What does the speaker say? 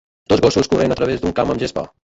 Dos gossos corrent a través d'un camp amb gespa.